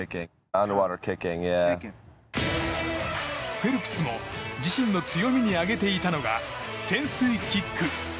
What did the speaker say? フェルプスも自身の強みに挙げていたのが、潜水キック。